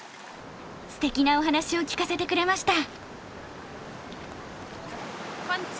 すてきなお話を聞かせてくれました。